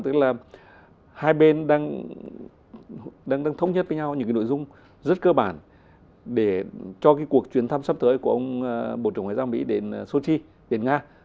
tức là hai bên đang thống nhất với nhau những cái nội dung rất cơ bản để cho cái cuộc chuyến thăm sắp tới của ông bộ trưởng ngoại giao mỹ đến sochi đến nga